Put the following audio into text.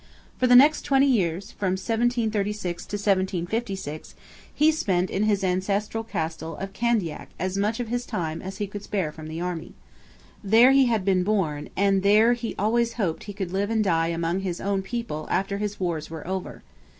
For the next twenty years, from 1736 to 1756, he spent in his ancestral castle of Candiac as much of his time as he could spare from the army. There he had been born, and there he always hoped he could live and die among his own people after his wars were over.